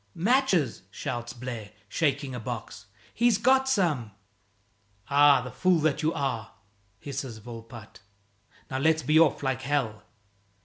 "Matches!" shouts Blaire, shaking a box, "he's got some!" "Ah, the fool that you are!" hisses Volpatte. "Now let's be off like hell."